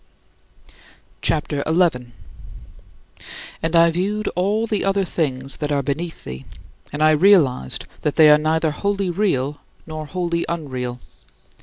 " CHAPTER XI 17. And I viewed all the other things that are beneath thee, and I realized that they are neither wholly real nor wholly unreal.